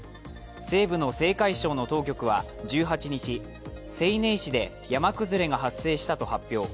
西部の青海省の当局は１８日西寧市で山崩れが発生したと発表。